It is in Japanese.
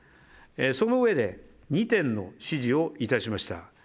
そのうえで２点の指示をいたしました。